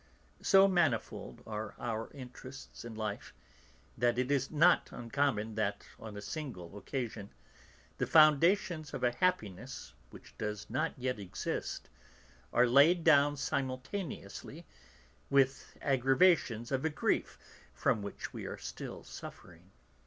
So manifold are our interests in life that it is not uncommon that, on a single occasion, the foundations of a happiness which does not yet exist are laid down simultaneously with aggravations of a grief from which we are still suffering.